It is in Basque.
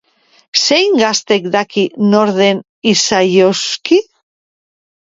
Zein gaztek daki nor den Izayovsky?